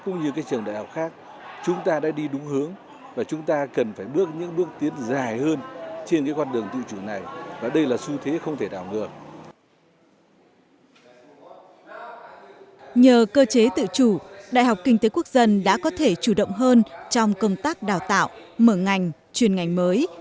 nhờ cơ chế tự chủ đại học kinh tế quốc dân đã có thể chủ động hơn trong công tác đào tạo mở ngành chuyên ngành mới